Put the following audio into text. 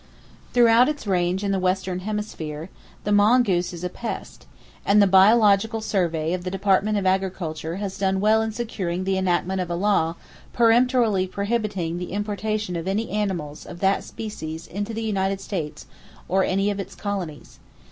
Throughout its range in the western hemisphere, the mongoose is a pest; and the Biological Survey of the Department of Agriculture has done well in securing the enactment of a law peremptorily prohibiting the importation of any animals of that species into the United States or any of its colonies.